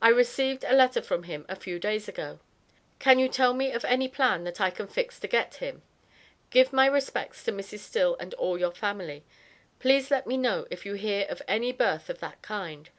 I received a letter from him a few days ago. Can you tell me of any plan that I can fix to get him give my respects to Mrs. Still and all you family. Please let me know if you hear of any berth of that kind.